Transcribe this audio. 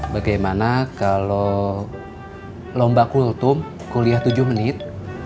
bagaimana kalau lomba kultum kuliah tujuh menit